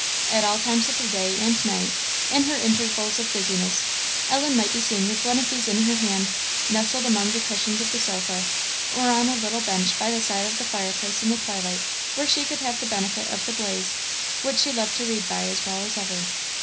At all times of the day and night, in her intervals of business, Ellen might be seen with one of these in her hand, nestled among the cushions of the sofa, or on a little bench by the side of the fireplace in the twilight, where she could have the benefit of the blaze, which she loved to read by as well as ever.